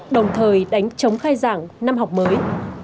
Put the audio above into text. đồng thời đánh chống khai giảng năm học mới